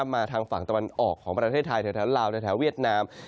มาทางฝั่งตะวันออกของประเทศไทยแถวลาวแถวเวียดนาม